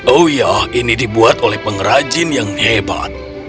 oh ya ini dibuat oleh pengrajin yang hebat